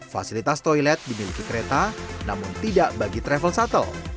fasilitas toilet dimiliki kereta namun tidak bagi travel shuttle